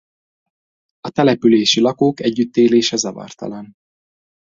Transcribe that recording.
A települési lakók együttélése zavartalan.